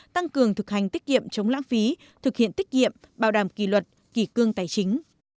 tăng cường thực hành tiết kiệm chống lãng phí thực hiện tiết kiệm bảo đảm kỳ luật kỳ cương tài chính